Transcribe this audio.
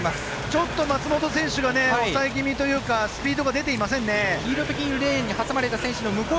ちょっと松元選手が抑え気味というかスピードが出ていませんね。